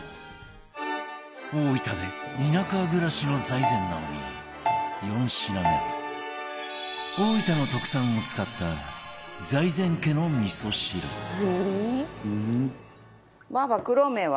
大分で田舎暮らしの財前直見４品目は大分の特産を使った財前家のみそ汁財前：ばあばクロメは？